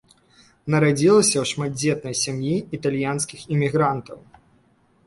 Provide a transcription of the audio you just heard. Нарадзілася ў шматдзетнай сям'і італьянскіх імігрантаў.